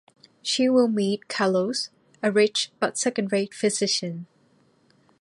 She will meet Carlos, a rich but second-rate physician.